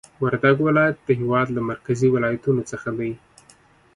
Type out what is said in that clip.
وردګ ولایت د هېواد له مرکزي ولایتونو څخه دی